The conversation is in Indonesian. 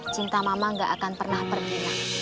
cinta mama gak akan pernah pergi